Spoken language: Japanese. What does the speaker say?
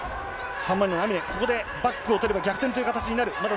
サンマリノのアミネ、ここでバックを取れば逆転という形になる。